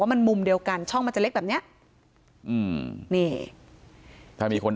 มันมุมเดียวกันช่องมันจะเล็กแบบเนี้ยอืมนี่ถ้ามีคน